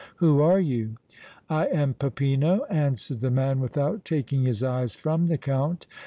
Who are you?" "I am Peppino," answered the man, without taking his eyes from the Count.